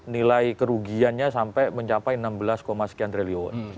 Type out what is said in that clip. nilai kerugiannya sampai mencapai enam belas sekian triliun